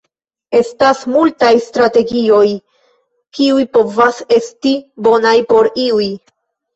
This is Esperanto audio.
Estas multa strategioj, kiuj povas esti bonaj por iuj.